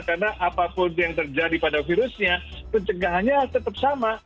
karena apapun yang terjadi pada virusnya pencegahannya tetap sama